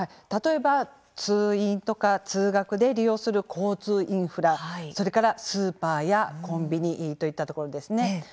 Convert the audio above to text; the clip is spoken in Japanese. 例えば通院や通学で利用する交通インフラそれからスーパーやコンビニといったところですね。